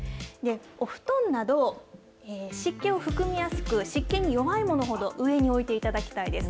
お布団など、湿気を含みやすく、湿気に弱いものほど、上に置いていただきたいです。